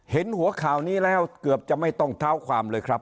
เห็นหัวข่าวนี้แล้วเกือบจะไม่ต้องเท้าความเลยครับ